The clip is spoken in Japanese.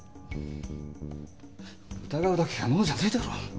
疑うだけが能じゃねぇだろ。